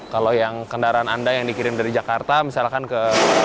kalau yang kendaraan anda yang dikirim dari jakarta misalkan ke